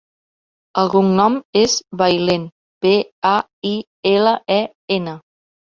El cognom és Bailen: be, a, i, ela, e, ena.